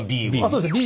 そうですね